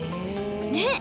ねっ！